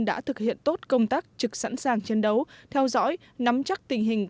đã thực hiện tốt công tác trực sẵn sàng chiến đấu theo dõi nắm chắc tình hình